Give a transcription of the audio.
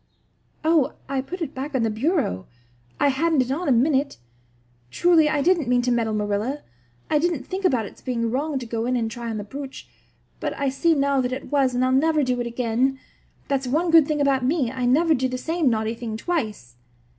"Oh, I put it back on the bureau. I hadn't it on a minute. Truly, I didn't mean to meddle, Marilla. I didn't think about its being wrong to go in and try on the brooch; but I see now that it was and I'll never do it again. That's one good thing about me. I never do the same naughty thing twice."